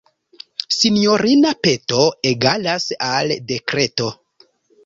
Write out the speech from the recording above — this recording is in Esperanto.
Sinjorina peto egalas al dekreto.